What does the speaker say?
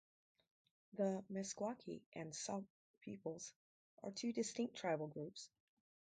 The Meskwaki and Sauk peoples are two distinct tribal groups.